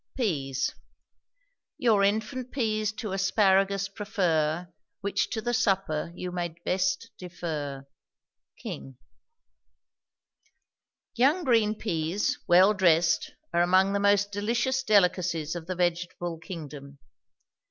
PEAS. Your infant peas to asparagus prefer; Which to the supper you may best defer. KING. Young green peas, well dressed, are among the most delicious delicacies of the vegetable kingdom.